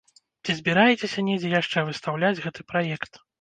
Ці збіраецеся недзе яшчэ выстаўляць гэты праект?